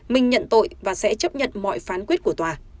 mình nhận tội và sẽ chấp nhận mọi phán quyết của tòa